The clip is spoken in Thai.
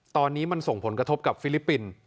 ตอนนี้มันส่งผลกระทบกับฟิลิปปินส์